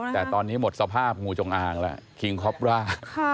แต่ตอนนี้หมดสภาพโอ้โหจงอางฮะคิงคอประค่ะ